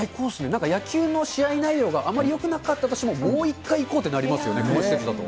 なんか野球の試合内容があまりよくなかったとしても、もう一回行こうってなりますよね、この施設だと。